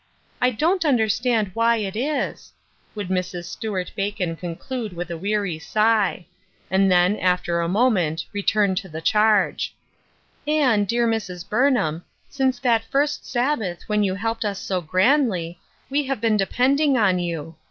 ' I don't understand why it is," would Mrs. Stuart Bacon conclude with a weary sigh ; and then, after a moment, return to the charge : "And, dear Mrs. Burnham, since that first Sabbath when you helped us so grandly, we have been depending on you.